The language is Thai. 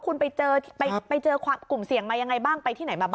คุณไปเจอความกลุ่มเสี่ยงมายังไงบ้างไปที่ไหนมาบ้าง